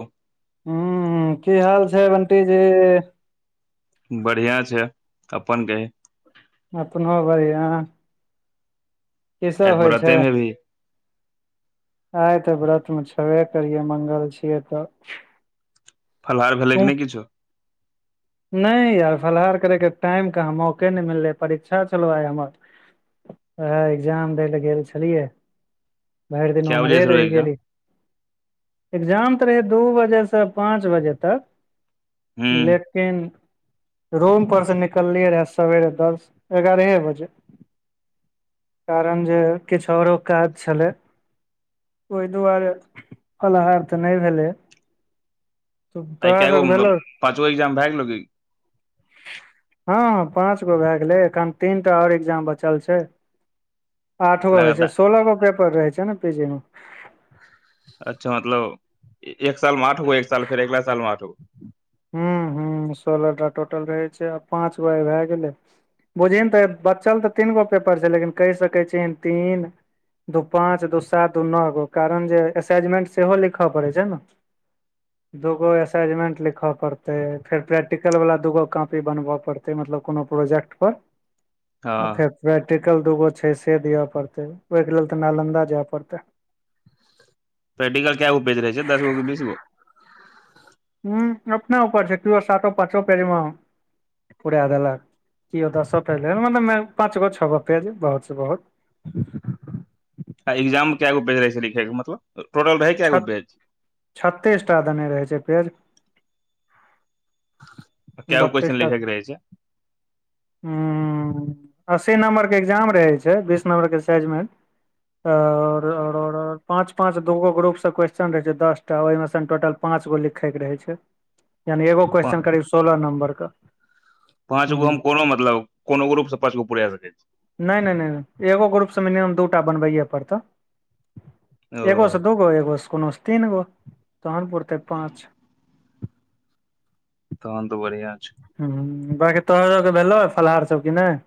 त ह की हाल छै बंटी जी बढ़ियाँ छै अपन कही अपनो बढ़िआ आय व्रततेमे हेबही आय तऽ व्रतमे छबे करियै मंगल छियै तऽ फलहार भेलै तू की नहि किछु नहि यार फलाहार करयके टाइम कहाँँ मौके नहि मिललै परीक्षा छलौ आइ हमर ह एग्जाम दै ले गेल छलियै भरि दिन कए बजे उम्हरे से रहौ रहि एग्जाम गेलीये एग्जाम तऽ रहै दू बजेसँ पाँच बजे तक हूं लेकिन रूम पररसँ निकललियै रहऽ सबेरे दस एगारहे बजे कारण जे किछु आओरो काज छलय ओहि दुआरे फलाहार तऽ नहि भेलै आय तोरा केगो सब मतलब भेलौ पाँचो एग्जाम भए गेलय की हँ पाँच गो भए गेलै एखन तीन टा आओर एग्जाम बचल छै आठ गो होै छै लगातार सोलह गो पेपर रहै छै ने पीजी मे अच्छा मतलब एक साल मे आठ गो एक साल फेर अगला साल मे आठगो हूं हूं सोलह टा टोटल रहै छै आ पाँच गो आय भए गेलय बुझिय ने तऽ बच्चल तऽ तीनगो पेपर छै लेकिन कहि सकै छीही तीन दू पाच दू सात दू नओ गो कारण जे असाइजमेंट सेहो लिखय पड़ै छै ने दुगो एस सेजमेन्ट लिखऽ पड़तै फेर प्रैक्टिकल बला दूगो कॉपी बनबऽ पड़तै मतलब कोनो प्रोजेक्ट पर [inaudible] आ फेर प्रैक्टिकल दूगो छै से दिअ पड़तै ओहिके लेल तऽ नालन्दा जाय पड़तै पैटिकल क्य गोपेच रहे छै दसगो के बीस गो हू अपनाऊर छै कियो सातो पाँचो पेरीमे पूड़ देलक कियो ओ द स पहिले मतलब पाँच गो छ गो पे जी बहुत से बहुत आ एग्जाम मे कगो बेच रहे छै लिखे के मतलब टोटल रहै छ केगो बेच छत्तीस टा देने रहै छै पेज कए गो बत्तीस क्वेश्चन टाक लिखै के रहै छै ह अस्सी नंबर के एग्जाम रहे छै बीस नंबर के साइज म रओर पाँच पाँच दो गो ग्रुप क्वेशन रह छै दश टा ओहिमे स टोटल पाँच गो लिखै के रहे छै यानि एगो पा क्वेस्चन करी सोलह नम्बर के पांच गो हूं हम कोनो मतल कोनो ग रूप से पाच गो पुररा सकैत छी नहि नहि नहि नहि एगो ग्रुप सबमे नियम दू टा बनबैयए पड़तौ छी ओ एगो से दूगो एगो से कोनो से तीन गो तहनपुर तै पाँच तहन तऽ बढ़िआँ छै ह बाकि तोह ज भेलो फलाहार सब कि नहि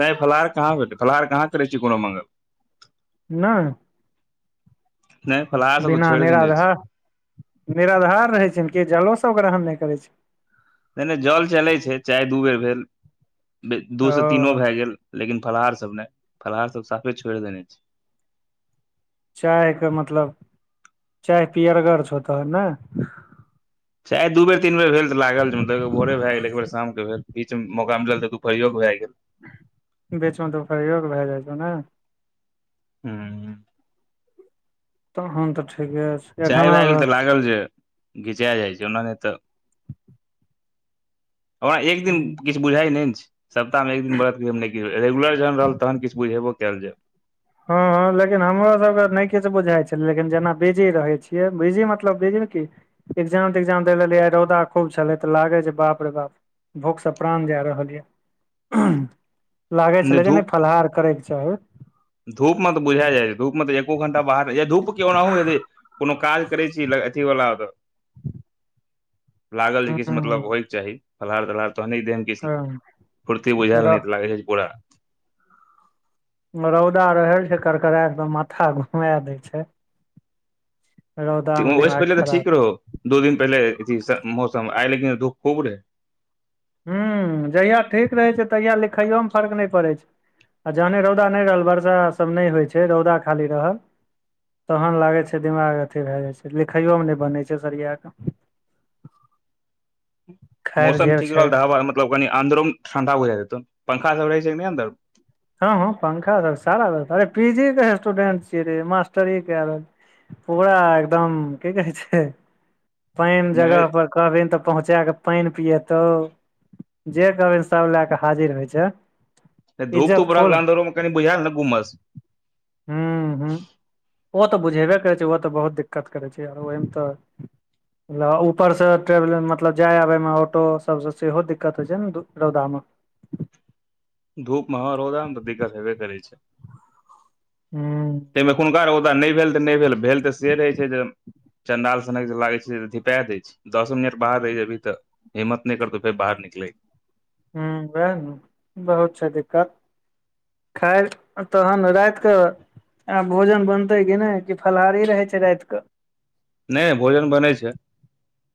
नहि फलाहार कहाँ भेलै फलाहार कहाँ करैत छी कोनो मङ्गल नहि नहि फलाहार सब तऽ बिना छोड़ि देने छी निराधार निराधार रहै छै ने कि जलो सभ ग्रहण नहि करैत छै नहि नहि जल चलै छै चाय दू बेर भेल दू ओ से तीनो भए गेल लेकिन फलाहार सब नै फलाहार सब साफे छोड़ देने छै चायके मतलब चाय पियरगर छ तोहर है ने चाहे दू बेर तीन बेर भेल तऽ लागल जे मतलब भोरे भए गेल एक बेर शामके भेल बीच मे मौका मिलल तू फरियोग भए गेल बेचो तऽपरयो क भए जाएछौ ने हूँ तहन तऽ ठीके छै चाय एखनो भए गेल तऽ लागल जे घिचा जाइ छै ओना नहि तऽ ओरा एक दिन किछु बुझाइ नहि नै ने छै सप्ताहमे एक दिन बरत रेगुलर जहन रहल तहन किछु बुझेबो कयल जाय हँ हँ लेकिन हमरोसभके नहि किछु बुझाइ छै लेकिन जेना बिजी रहै छियै बिजी मतलब बिजीमे की एग्जाम तग्जाम दै लेलियए रौदा खूब छलै तऽ लागे छै बाप रे बाप भुखसँ प्राण जा रहल यए लागै छलै जे नहि फलाहार करैके चाही धूप म तऽ बुझा जाइ छै धूप मे तऽ एको घंटा बाहर रह या धूप के ओनाहु हेतै कोनो काज करै छी अथी वाला तऽ लागल ह जे कि से मतलब होइके चाही फलाहार तलहार तऽने दे फुर्ती बुझायल नहि त लागे छै पूरा रौदा रह छै करकरा के माथा घुमा दे छै रौदा मे वैस दिमाग पहिले तऽ खराब ठीक रहो दो दिन पहिले अ मौसम आए लेकिन धूख खूब रहै हू जहिया ठीक रहै छै तहिया लिखैयओमे फर्क नहि पड़ै छै आ जहने रौदा नहि रहल वर्षा सब नहि होइ छै रौदा खाली रहल तहन लागै छै दिमाग अथी भए जाइ छै लिखैओमे नहि बनै छै सरिया कऽ ह [inaudible] मौसम जे ठीक छै रहल तऽ हवा मतलब कनि अन्दरो मे ठंडा बुझाईत हेतौ पंखा सब रह छैकी ने अन्दर हँ हँ पंखा सब सारा व्यथा अरे पी जी के स्टूडेंट छियै रे मास्टर कए रहल पूरा एकदम की कहै छै पानि जगह नहि पर कहबी तऽ पहुँचा क पाईनि पियतौ जे कहबी सब लए क हाजिर होइ छै धूप इज्जत तू बरा फुल लान्दरोमे कनि बुझाएल ने उमस हूँ हूँ ओ तऽ बुझेबे करै छै ओ तऽ बहुत दिक्कत करैत छै आ ओहिमे तऽ ऊपरसँ ट्रेवल मतलब जाइ आबयमे ऑटो सबसँ सेहो दिक्कत होइ छै ने रौदामे धूपमे ह रौदा त दिक्कत हेबे करय छै हू ताहिमे अखुनका रौदा नहि भेल तऽ नहि भेल भेल तऽ से रहै छै जे चंडाल सनक लागै छै धिपा दै छै दसो मिनट बाहर रहै छै अभी तऽ हिम्मत नहि करतो फेर बाहर निकलय के ह वएह ने बहुत छै दिक्कत खैर तहन राति कऽ आब भोजन बनतै कि नहि की फलाहारी रहै छै राति कऽ नहि भोजन बने छै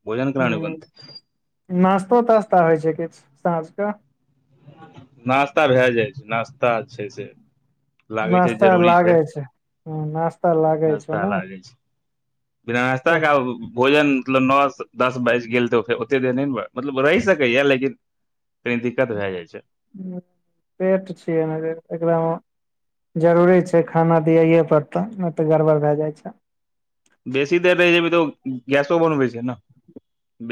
भोजन केना नय बनतै नास्तो तास्ता होइ छै किछ साँझ के नास्ता भए जाइ छै नास्ता छै से लागै छै नाश्ता जरूरी लागय छै हूं नाश नास्ता लागै छै बिना नास्ताे आ भोजन मतलब नओ दस बाइज गेल तऽ फेर ओतेक देर नहि ने मतलब रहि सकैए लेकिन तनी दिक्कत भए जाइत छै पेट छिय एकरा मे जरूरी छै खाना दियइए परड़तऽ नहि तऽ गड़बड़ भए जाइ छै बेसी देर रहै जेबय तऽ गैसो बनबै छै ने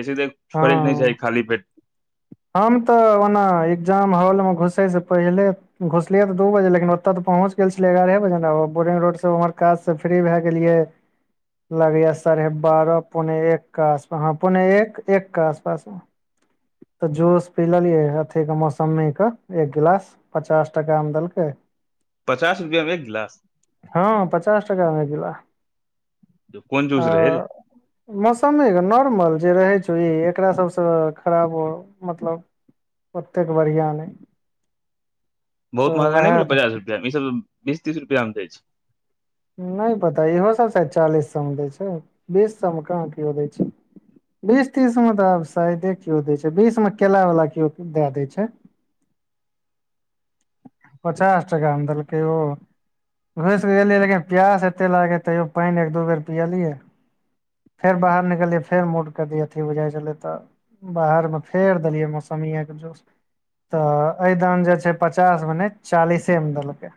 बेसी देर हँ छोड़ेके नहि चाही खाली पेट हम तऽ ओना एग्जाम हॉल मे घुसय से पहिले घुसलिय तऽ दू बजे लेकिन ओतय तऽ पहुँच गेल छलै एगारहे बजे बोरिंग रोडसँ ओम्हर काज त फ्री भए गेलियै लगैया साढ़े बारह पौने एकके आसपास ह पौने एक एकके आसपास तऽ जूस पी लेलियए अथी के मौसमी के एक गिलास पचास टाका मे देलकै पचास रुपया मे एक गिलास हँ पचास टाका मे एक गिलास कोन ह जूस रहै रे मौसमी के नोर्मल जे रहय छै एकरा सबसँ खराब मतलब ओतेक बढ़ियां नहि बहुत तऽ महंगा नहि भेलै वएह पचास रुपआ मे ईसभ बीस तीस रुपआ मे दै छै नहि पता इहो सब शायद चालीस सए मे दै छै बीस सब मे कहाँ केओ दै छै बीस तीस में तऽ आब शायदे क्यो देय छै बीस में केला वाला क्यो दै देय छै पचास टाका में देलकैय ओ घुसिकऽ गेलियै लेकिन प्यास एते लाग ह तैयो पानि एक दू बेर पियेलियै फेर बाहर निकलियै फेर मोडके अथि होझइ छलै तऽ बाहरमे फेर देलियै मौसमीएके जूस तऽ ए दान जे छै पचास मे नय चालिसे मे देलकै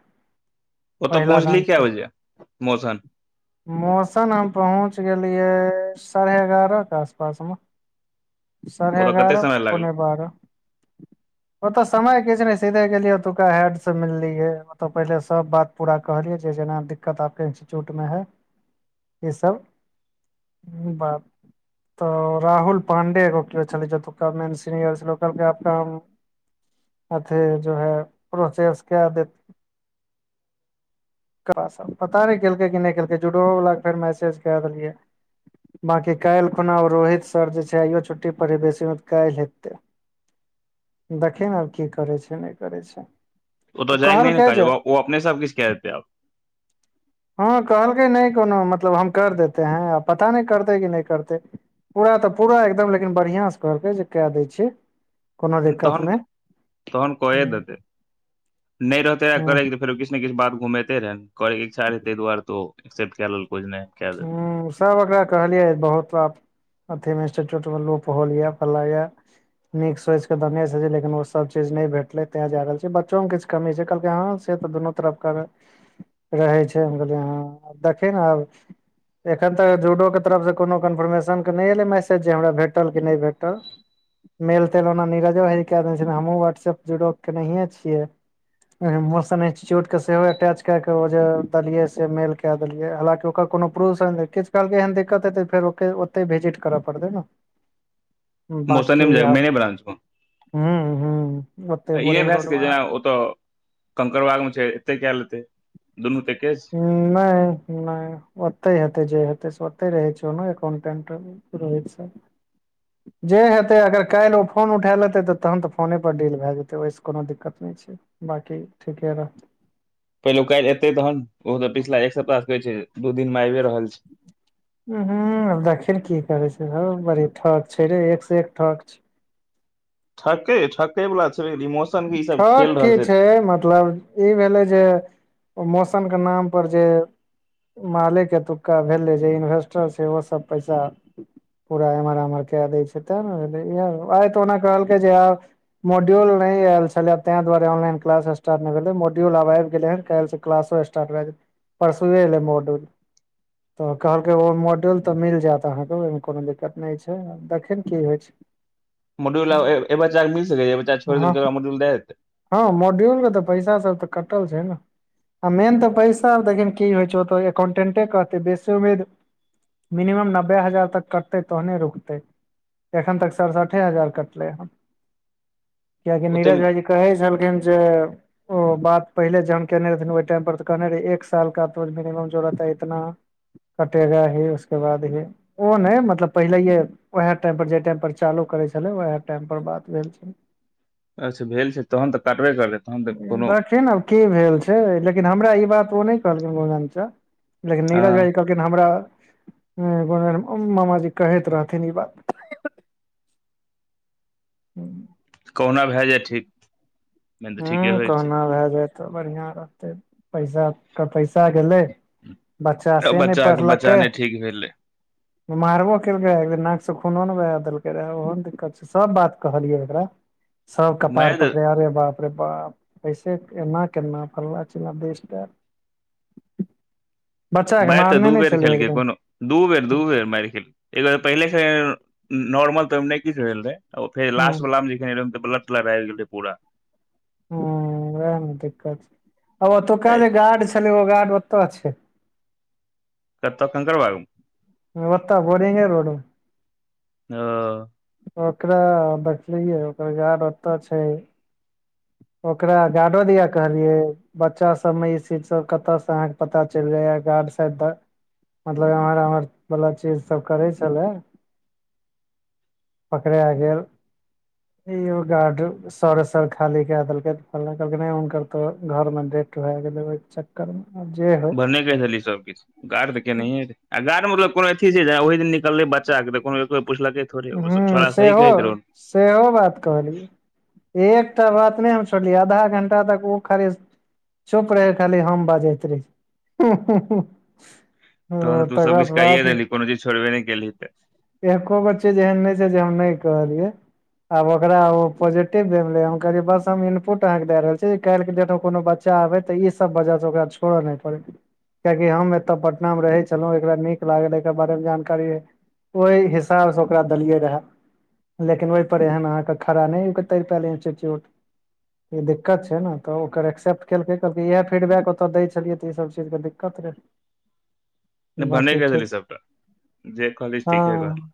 ओतऽ पहिला पहुँचली दान कए बजे मौसन मौसम हम पहुँच गेलियै साढ़े एगारह के आसपास मे साढ़े ओतऽ कते एगारह समय लागल पौने बारह [inaudible] ओतऽ समय किछु नहि सीधे गेलिये उतुका हैड से मिललीये ओत तऽ पहिले सब बात पूरा कहलियै जे जेना दिक्कत आपके इन्स्टिट्यूटमे है ई सब इ बात अ राहल पाण्डे एगो क्यो छले जतुका मेन सीनियर छल ओ कहलकय आपका हम अथी जो है प्रोसेस कै दे क पता नहि केलकै की नहि केलकै जूडो वाला के फेर मैसज देलियै [unintelligible] बाकी काल्हि खुना रोहित सर जे छै आइयो छुट्टी पढ़ बेसी मे तऽ काल्हि एतै [inaudible] [inaudible] दखी ने आब की करै छै नहि करै छै ओऽ ओ जाएग नहि ने कहलकै जे कहाज अपने सब किछ के देतैब हँ कहलकै नहि कोनो मतलब हम कर देते हैं आ पता नहि करते कि नहि करते पूरा तऽ पूरा एकदम लेकिन बढ़िआं स कहकेै जे कै दै छियै कोनो दिक्कत तहन नहि तहन क देते नहि रहते ह करैके फेरो कि [unintelligible] कि ने किछ बात घुमेते रहे करै के इच्छा रहे ताहि दुआर तो एक्सेप्ट कए लेलको नहि कए देल ह सब एकरा कहलिये बहुत अथी मे इंस्टिच्यूट मे लोग होल य फलना ये नीक सोच केन से छै लिन ओ सब चीज नै भेटले तें जा रहल छै बच्चों के किछ कमी छै कहलकै ह से तऽ दुनू तरफ कर रहै छै हम रहियै ह देखिय ने आब एखन तक जूडो के तरफसँ कोनो कन्फर्मेशनके नहि एलै मैसेज जे हमरा भेटल कि नहि भेटल मेल तेल ओना नीजो ह हमहुँ वहाट्सऐप जु के नहिये छियै मोशन इंस्टीच्यूट के सेहो अटैच के के ओ जे देलिये से मेल कै देलिये हालाकि ओकर कोनो प्रूफ किछुललके एहन दिक्कतेतै फेर ओ ओते भिजिट करय पड़तै न बकी मौसनेमे जाय आब मेने ब्रांचमे हू हू ओते बोरिंग रोड कंकड़बाग मे छै ऐतै कए लेते दुनू तऽ ऐके छै नहि नहि ओतै हेतै जे हेतै से ओतै रहै छै एकाउंटेंट रोहित सर [inaudible] [inaudible] जे हेते अगर काल्हि ओ फोन उठा लेते तऽ तहन तऽ फोने पर डिल भए जेतै ओहिस कोनो दिक्कत नहि छै बाकी ठीके तऽ पहिले काल्हि एतै तन ओ तऽ पिछिला एक सप्ताह कहे छै दू दिन मे आबि रहल छै हू देखि की करे छै बड़ी ठक छै रे एक से एक ठक छै ठाकके ठाककै बला छै मस्त ठक की छै मतलब ई भेलै जे मौसम के नाम पर जे मालिक एतुक्का भेलै जे इन्वेस्टर छै ओ सब पैसा पूरा एम्हर आम्हर क दै छै ते न आ तऽ ओना कहलकै जे आ मोड्यूल नहि आल छलैब ए दुआरे ऑनलाइन क्लास स्टार्ट नहि भेले मॉड्यूल आब आबि गेले ह काल्हि क्लासो स्टार्ट भए गेलै परसू अलै मोडूर तऽ कहलकै ओ मॉडल तऽ मिल जायत अहाँके ओहिमे कोनो दिक्कत नहि छै देखिन की होइ छै मॉडूल आब बच्चा मिलसकै जे बच्च छोर हँ देलक मॉडूल द देत हँ मॉड्यूल के तऽ पैसा सब तऽ कटल छै न आ मेन तऽ पैसा देख की होइ छौ ओत एककाउंटेंटे कहते बेसी उम्मीद मिनमम नब्बे हजार तक कटतै तहने रुकतै एखन तक सड़सठे हजार कटलै हन किआकि ओते नीरज भाईजी कहै छलखिन जे ओ बात पहिले जहन केने रहथिन ओहि टाइम पर तऽ कहने रहे एक सालके तो मिनिम जोरत है इतना कटेगा ही उसके बाद हि ओ ने मतलब पहिले ये वएह टाइम पर जे टाइम पर चालू करे छलै वएह टाइम पर बात भेल छलै अच्छा भेल छै तहन तऽ काटबे करबै तहन तऽ कोनो देखिन आब की भेल छै लेकिन हमरा ई बात ओ नहि कहलखिन गा लेकिन नीरज हँ भई कह लेकिन हमरा मामाजी कहैत रहथिन ई बात हूँ [unintelligible] [inaudible] कहुना भए जाए ठीक मेन ह तऽ ठीके होइ छै कहना भए जायतऽ बढ़िआँ रहतै पैसा कर पैसा गेलै बच्चा तऽ से नहि बच्चाके बच्चा पढ़लकै नहि ठीक [inaudible] [inaudible] मारबो केलकै एक नाक से खूनो ने बहा देलकै रह ओहो दिक्कत छै सब बात कहलियै एकरा [inaudible] [inaudible] सब कपार मारि तऽ पकड़े आरे बाप रे बाप एसे एना केना फलना चिलना बेस्ट बच्चाक के मारि तऽ मारने दू नहि बेर छलै खेलकै एकदिन कोनो दू बेर दू बेर मैर खेलकै पहिले नॉर्मल तऽनै किछ भेल रहे ओ फेर ह लास्ट वला मे जखन ए ब्लड तलड आब गेल रहै पूरा ह ओएह ने दिक्कत छै आ ओतुका हे जे गार्ड छलै ओ गार्ड ओत छै कत्त खंकरबायू ओत बोरिंगे रोड मे ओ ओकरा देखलियै ओकर गॉड ओत छै ओकरा गार्डों दिया कहलियै बच्चा सब मे ई सीज सब कतय स अहाँ के पता चैल जाए या गार्ड द मतलब एम्हर आम्हर वला चीज सब करै छलए पकड़ा गेल यो गार्ड सर खाली कए देलकै फलना कहलकैय नहि हुनकर तऽ घरमे डेट भए गेलै बच्चा कर्म मे जे होइ [unintelligible] सब किछु गाड तऽ केनैए आ गाड मतल कोनो अथी छै जे ओहि दिन निकलै बच्चा के तऽ को बे पुछलकै थोड़े हूँ ओसब छोड़ा सहि सेहो कहित रहो सेहो बात कहलिहि एकटा बात नहि हम छोड़लियै आधा घंटा तक ओ खरे चुप रहे खाली हम बाजैत रहीए तहन तू सबकछु कइए देली कोनो चीज छोड़बे नहि केली तऽ एक्को गो चिज जेहन नहि छै जे हम नहि कहलियै आब ओकरा ओ पॉजेटिव भे रहै हम कहलि बस हम इनपुट अहाँ केऽ द रहल छी काएल के डेट मे कोनो बात चा बै तऽ ई सब वजह स ओकरा छोड़ऽ नय पड़ैत कियाकि हम एतय पटनामे रहै छलहुँ एकरा नीक लागल एकरा बारेमे जानकारी रै ओहि हिसाब सँ ओकरा देलियै रएह लेकिन ओहिपर एहन अहाँके खड़ा नहि तैरि पायल इंच्चिट्यूट ई दिक्कत छै न त ओकर एक्सप्ट केलकै इएह फीटबैक ओते दय छलिय त ई सब चीज के दिक्क कत रे नहि भने द देलिय सबटा जे कहॉलीय ठीके हँ कहलि